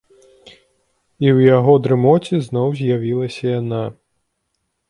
І ў яго дрымоце зноў з'явілася яна.